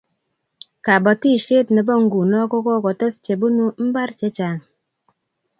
kabatishiet nebo ng'uno ko kokotes chebunu ibar chechang